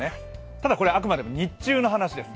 ただ、これはあくまでも日中の話です。